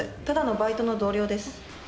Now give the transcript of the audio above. ただのバイトの同僚です。